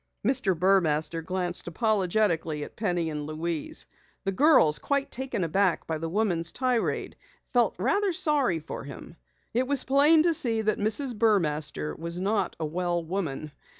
Mr. Burmaster glanced apologetically at Penny and Louise. The girls, quite taken aback by the woman's tirade, felt rather sorry for him. It was plain to see that Mrs. Burmaster was not a well woman.